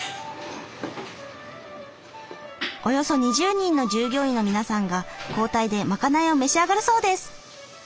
およそ２０人の従業員の皆さんが交代でまかないを召し上がるそうです。